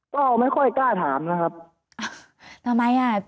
ก็ไม่ค่อยกล้าถามนะครับ